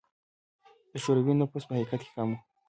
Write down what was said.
د شوروي نفوس په حقیقت کې کم و.